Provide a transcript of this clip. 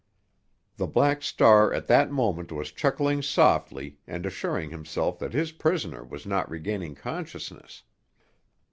The Black Star at that moment was chuckling softly and assuring himself that his prisoner was not regaining consciousness.